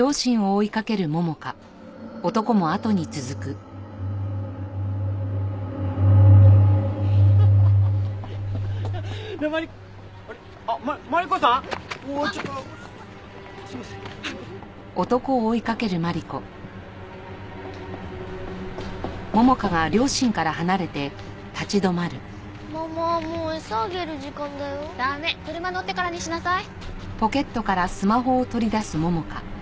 車乗ってからにしなさい。